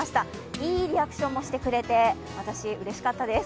いいリアクションもしてくれて、私うれしかったです。